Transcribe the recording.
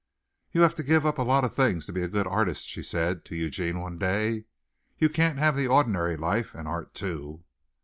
"You have to give up a lot of things to be a good artist," she said to Eugene one day. "You can't have the ordinary life, and art too."